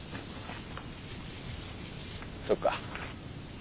そっか。